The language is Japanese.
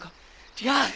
違う！